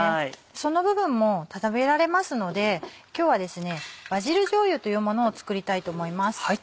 その部分も食べられますので今日はバジルじょうゆというものを作りたいと思います。